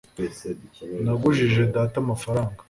nagujije data amafaranga